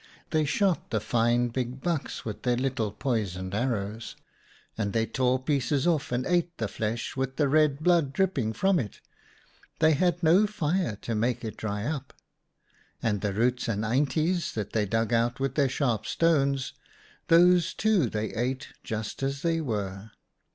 They shot the fine big bucks with their little poisoned arrows, and they tore pieces off and ate the flesh with the red blood dripping from it : they had no fire to make it dry up. And THE SUN 55 the roots and eintjes that they dug out with their sharp stones — those, too, they ate just as they were.